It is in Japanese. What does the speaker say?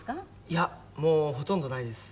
「いやもうほとんどないです」